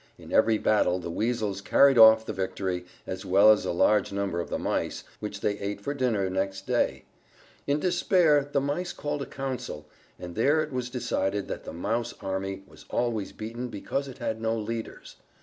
In every battle the Weasels carried off the victory, as well as a large number of the Mice, which they ate for dinner next day. In despair the Mice called a council, and there it was decided that the Mouse army was always beaten because it had no leaders.